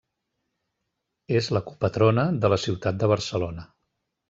És la copatrona de la ciutat de Barcelona.